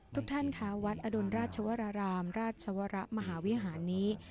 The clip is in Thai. ทุกท่านค่ะวัดอดุลราชวรารามราชวรมหาวิหารนี้